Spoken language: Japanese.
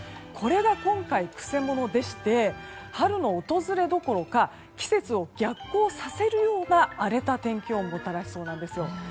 これが今回、曲者でして春の訪れどころか季節を逆行させるような荒れた天気をもたらしそうなんです。